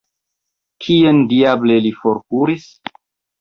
Kien, diable, li forkuris?